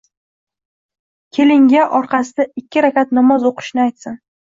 Kelinga – orqasida – ikki rakat namoz o‘qishni aytsin.